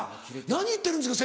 「何言ってるんですか